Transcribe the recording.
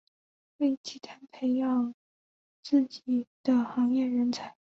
为集团培养自己的行业人才。